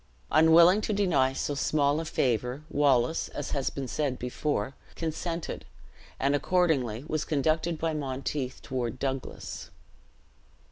Unwilling to deny so small a favor, Wallace, as has been said before, consented; and accordingly was conducted by Monteith toward Douglas.